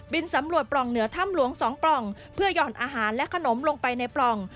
สำรวจปล่องเหนือถ้ำหลวง๒ปล่องเพื่อหย่อนอาหารและขนมลงไปในปล่อง